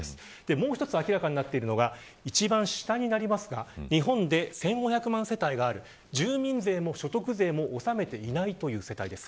もう一つ明らかになっているのが一番下になりますが日本で１５００万世帯がある住民税も所得税も納めていないという世帯です。